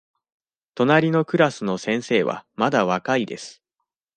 隣のクラスの先生はまだ若いです。